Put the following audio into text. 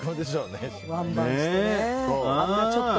ワンバンしてね。